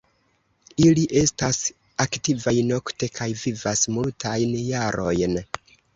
Ili estas aktivaj nokte kaj vivas multajn jarojn.